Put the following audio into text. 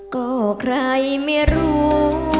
ก็ใครไม่รู้